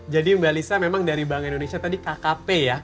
jadi mbak lisa memang dari bank indonesia tadi kkp ya